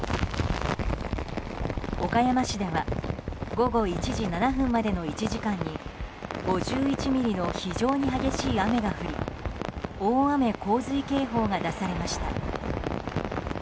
岡山市では午後１時７分までの１時間に５１ミリの非常に激しい雨が降り大雨・洪水警報が出されました。